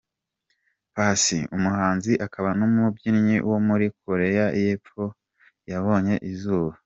Psy, umuhanzi akaba n’umubyinnyi wo muri Koreya y’epfo yabonye izuba.